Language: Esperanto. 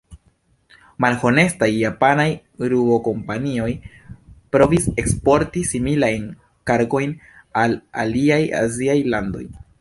Malhonestaj japanaj rubo-kompanioj provis eksporti similajn kargojn al aliaj aziaj landoj.